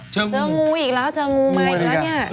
เจองูอีกแล้ว